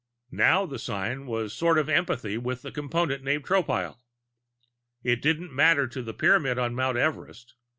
Now the sign was a sort of empathy with the Component named Tropile. It didn't matter to the Pyramid on Mount Everest.